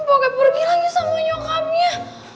pokoknya pergi lagi sama nyokamnya